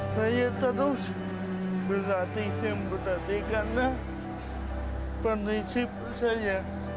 saya terus berhati hati karena penisip saya